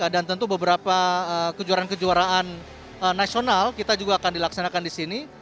dan tentu beberapa kejuaraan kejuaraan nasional kita juga akan dilaksanakan di sini